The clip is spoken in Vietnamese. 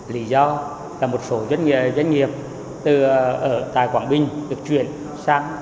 lý do là một số doanh nghiệp ở tại quảng bình được chuyển sang